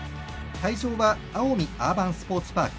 会場は青海アーバンスポーツパーク。